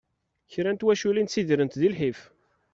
Kra n twaculin ttidirent di lḥif.